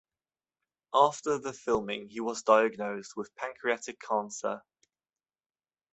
After the filming he was diagnosed with pancreatic cancer.